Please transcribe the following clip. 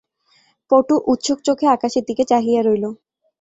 পটু উৎসুক চোখে আকাশের দিকে চাহিয়া রহিল।